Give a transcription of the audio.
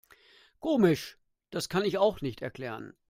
Komisch, das kann ich mir auch nicht erklären.